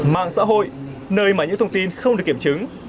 mạng xã hội nơi mà những thông tin không được kiểm chứng